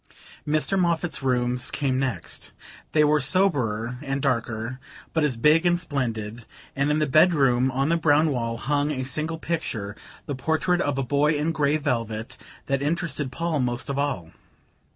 Mr. Moffatt's rooms came next. They were soberer and darker, but as big and splendid; and in the bedroom, on the brown wall, hung a single picture the portrait of a boy in grey velvet that interested Paul most of all.